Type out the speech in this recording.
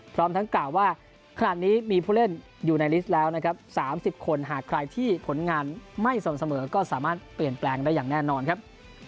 พร้อมทั้งกล่าวว่าขนาดนี้มีผู้เล่นอยู่ในลิสต์แล้วนะครับ๓๐คนหากใครที่ผลงานไม่สมเสมอก็สามารถเปลี่ยนแปลงได้อย่างแน่นอนครับ